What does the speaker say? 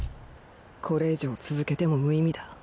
これ以上続けても無意味だ。